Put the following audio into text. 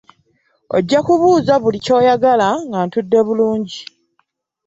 Ojja kumbuuza buli ky'oyagala nga ntudde bulungi.